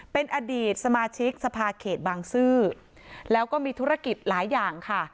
เป็นอดีตสมาชิกสภาเขตบางซื่อแล้วก็มีธุรกิจหลายอย่างค่ะ